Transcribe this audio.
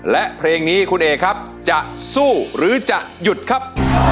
และเพลงนี้คุณเอกครับจะสู้หรือจะหยุดครับ